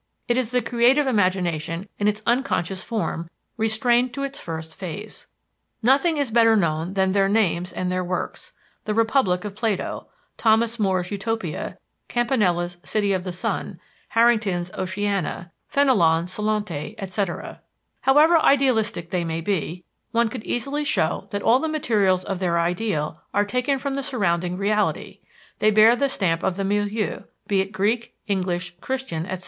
It is the creative imagination in its unconscious form, restrained to its first phase. Nothing is better known than their names and their works: The Republic of Plato, Thomas More's Utopia, Campanella's City of the Sun, Harrington's Oceana, Fenelon's Salente, etc. However idealistic they may be, one could easily show that all the materials of their ideal are taken from the surrounding reality, they bear the stamp of the milieu, be it Greek, English, Christian, etc.